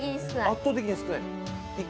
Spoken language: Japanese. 圧倒的に少ないの？